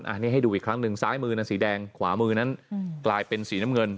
อันนี้ให้ดูอีกครั้งหนึ่งซ้ายมือนั้นสีแดงขวามือนั้นกลายเป็นสีน้ำเงิน